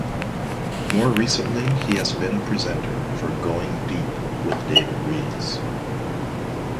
More recently he has been a presenter for "Going Deep with David Rees".